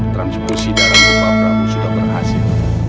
transkursi darah bapak prabu sudah berhasil